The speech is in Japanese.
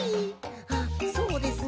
あそうですね。